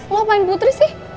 lo ngapain putri sih